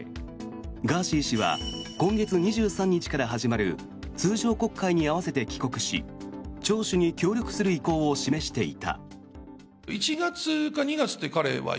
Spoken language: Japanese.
ガーシー氏は今月２３日から始まる通常国会に合わせて帰国し聴取に協力する意向を示していた。